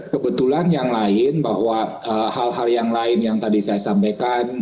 kebetulan yang lain bahwa hal hal yang lain yang tadi saya sampaikan